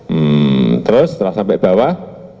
hmm terus setelah sampai bawah